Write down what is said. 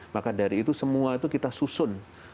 maka dari itu semua itu kita susun